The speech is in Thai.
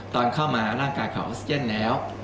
ตอนเข้ามาร่างกายของออกซิเจนแล้ว